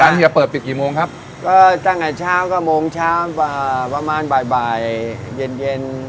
เฮียเปิดปิดกี่โมงครับก็ตั้งแต่เช้าก็โมงเช้ากว่าประมาณบ่ายบ่ายเย็นเย็น